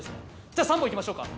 じゃあ３本行きましょうか。